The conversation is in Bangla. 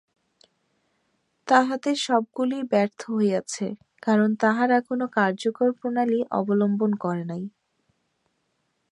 তাহাদের সবগুলিই ব্যর্থ হইয়াছে, কারণ তাহারা কোন কার্যকর প্রণালী অবলম্বন করে নাই।